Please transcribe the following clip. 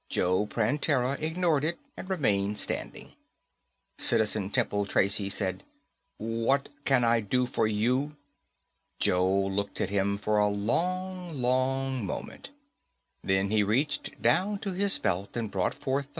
Joe Prantera ignored it and remained standing. Citizen Temple Tracy said, "What can I do for you?" Joe looked at him for a long, long moment. Then he reached down to his belt and brought forth the